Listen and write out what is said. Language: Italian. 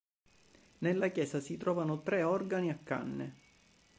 Nella chiesa si trovano tre organi a canne.